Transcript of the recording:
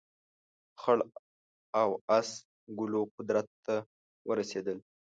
خړ او اس ګلو قدرت ته ورسېدل.